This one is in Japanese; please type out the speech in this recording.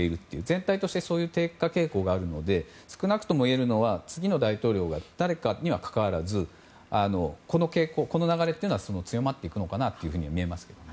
全体としてそういう低下傾向があるので少なくともいえるのは次の大統領が誰かには関わらずこの傾向や流れは強まっていくのかなとみえます。